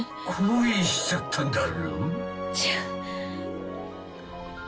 恋しちゃったんだろ？違う。